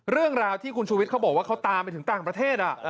เรื่องราวที่คุณชูวิทย์เขาบอกว่าเขาตามไปถึงต่างประเทศ